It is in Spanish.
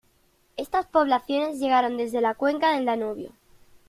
Estas poblaciones llegaron desde la cuenca del Danubio.